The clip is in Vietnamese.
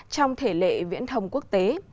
trong thể lệ viễn thông quốc tế